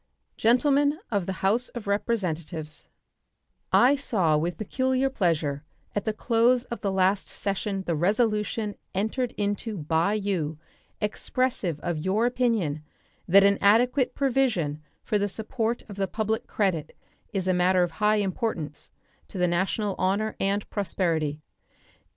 Gentlemen of the House of Representatives: I saw with peculiar pleasure at the close of the last session the resolution entered into by you expressive of your opinion that an adequate provision for the support of the public credit is a matter of high importance to the national honor and prosperity.